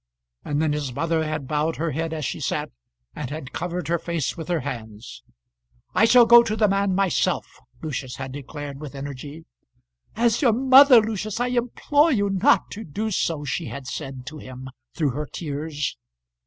And then his mother had bowed her head as she sat, and had covered her face with her hands. "I shall go to the man myself," Lucius had declared with energy. "As your mother, Lucius, I implore you not to do so," she had said to him through her tears.